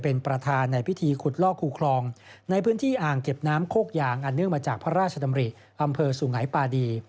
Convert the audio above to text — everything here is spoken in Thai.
เป็นที่อ่างเก็บน้ำโคกยางอันเนื่องมาจากพระราชดำริอำเภอสูงไหนปาดี